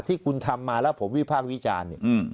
ที่คุณทำมาแล้วผมวิพากษ์วิจารณ์เนี่ย